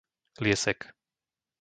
Liesek